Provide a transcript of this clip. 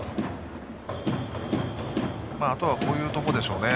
あとはこういうところですね。